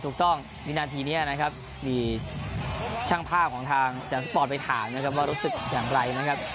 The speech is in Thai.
วินาทีนี้นะครับมีช่างภาพของทางสนามสปอร์ตไปถามนะครับว่ารู้สึกอย่างไรนะครับ